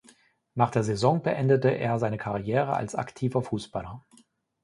Nach der Saison beendete er seine Karriere als aktiver Fußballer.